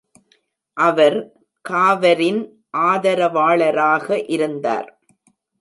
அவர் காவரின் ஆதரவாளராக இருந்தார்.